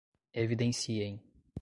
evidenciem